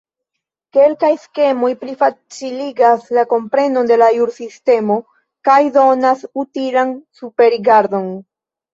Kelkaj skemoj plifaciligas la komprenon de la jursistemo kaj donas utilan superrigardon.